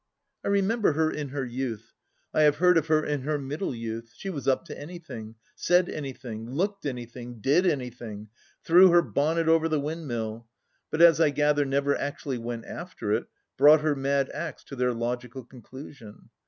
.,. I remember her in her youth — I have heard of her in her middle youth — she was up to anything, said anything, looked anything, did anything, threw her bonnet over the windmUl, but as I gather never actually went after it, brought her mad acts to their logical conclusion.